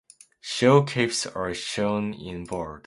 Show caves are shown in bold.